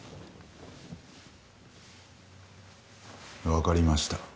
わかりました。